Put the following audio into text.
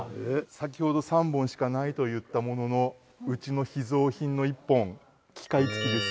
先ほど３本しかないと言ったもののうちの秘蔵品の１本機械付きです。